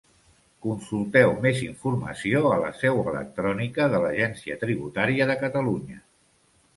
Consulteu més informació a la seu electrònica de l'Agència Tributària de Catalunya.